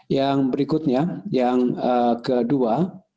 yang berikutnya yang kedua